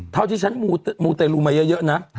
ท้อที่ฉันมูตร์รูปมาเยอะนะ